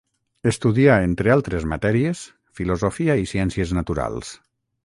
Estudià entre altres matèries, filosofia i ciències naturals.